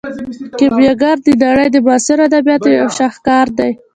کیمیاګر د نړۍ د معاصرو ادبیاتو یو شاهکار دی.